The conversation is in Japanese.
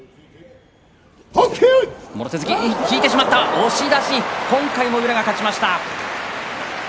押し出し、今回も宇良が勝ちました。